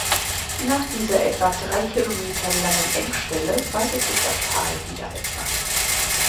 Nach dieser etwa drei Kilometer langen Engstelle weitet sich das Tal wieder etwas.